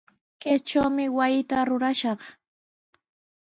Kaytrawmi wasita rurashaq.